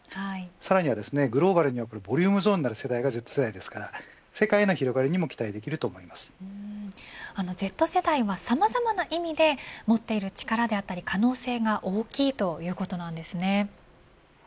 さらにはですね、グローバルにはボリュームゾーンになるのがＺ世代ですから世界の広がりにもＺ世代はさまざまな意味で持っている力であったり可能性が大きいとそうなんですね。